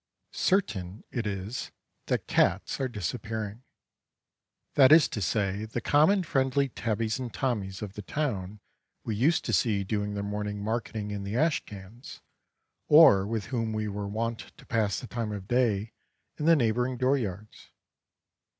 Certain it is that Cats are disappearing; that is to say the common friendly Tabbies and Tommies of the town we used to see doing their morning marketing in the ash cans, or with whom we were wont to pass the time of day in the neighboring door yards.